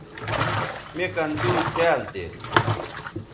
مِ کن دُو څھیال تھے